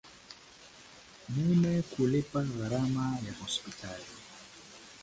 Mume kulipa gharama ya hospitali